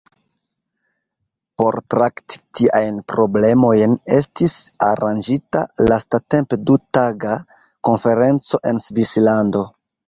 Por trakti tiajn problemojn estis aranĝita lastatempe du-taga konferenco en Svislando.